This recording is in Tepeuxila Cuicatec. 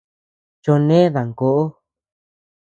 Choʼo né dankoʼo.